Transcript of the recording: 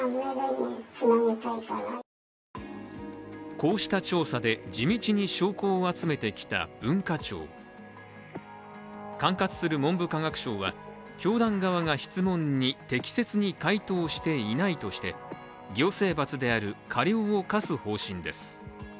こうした調査で地道に証拠を集めてきた文化庁管轄する文部科学省は教団側が質問に適切に回答していないとして行政罰である過料を科す方針です。